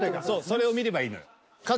そうそれを見ればいいのよ。